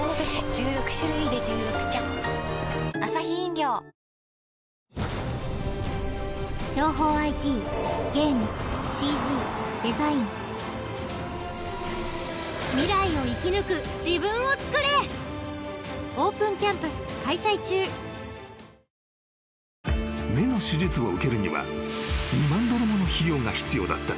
十六種類で十六茶［目の手術を受けるには２万ドルもの費用が必要だった］